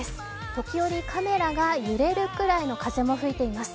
時折カメラが揺れるぐらいの風も吹いています。